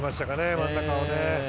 真ん中をね。